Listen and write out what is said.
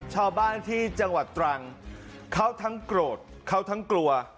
ชาวบ้านที่จังหวัดตรังเขาทั้งโกรธเขาทั้งกลัว